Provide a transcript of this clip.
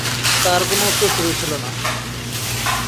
তার কোন উত্তরসূরী ছিলো না।